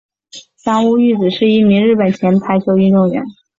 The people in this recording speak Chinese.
三屋裕子是一名日本前排球运动员。